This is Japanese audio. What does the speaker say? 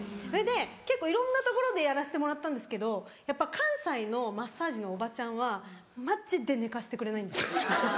それで結構いろんな所でやらせてもらったんですけどやっぱ関西のマッサージのおばちゃんはマジで寝かせてくれないんですよ。